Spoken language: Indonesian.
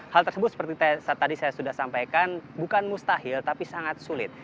hal tersebut seperti tadi saya sudah sampaikan bukan mustahil tapi sangat sulit